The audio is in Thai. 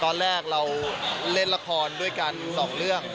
ตอนแรกเราเล่นละครด้วยกันสองเรื่อง